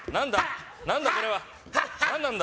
何だこれは？何なんだ？